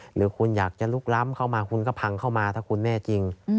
หรือคุณอยากจะลุกล้ำเข้ามาคุณก็พังเข้ามาถ้าคุณแน่จริง